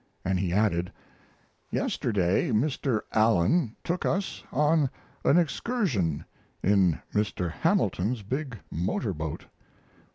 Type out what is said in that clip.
And he added: Yesterday Mr. Allen took us on an excursion in Mr. Hamilton's big motor boat.